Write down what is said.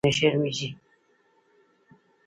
احمد خواریکښ دی؛ له غریبۍ نه شرمېږي.